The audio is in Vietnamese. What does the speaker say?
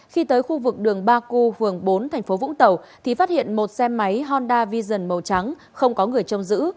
khi tới khu vực đường ba cư phường bốn tp vũng tàu thì phát hiện một xe máy honda vision màu trắng không có người trông giữ